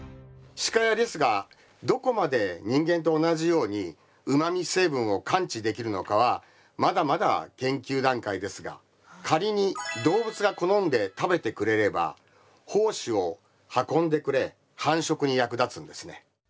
シカやリスがどこまで人間と同じようにうまみ成分を感知できるのかはまだまだ研究段階ですが仮に動物が好んで食べてくれれば胞子を運んでくれ繁殖に役立つんですね。